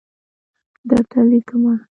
درته لیکمه